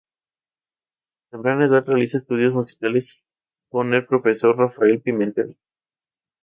A temprana edad realiza estudios musicales con el profesor Rafael Pimentel.